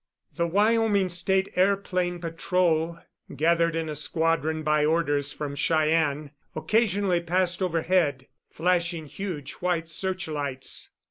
The Wyoming State Airplane Patrol, gathered in a squadron by orders from Cheyenne, occasionally passed overhead, flashing huge white searchlights.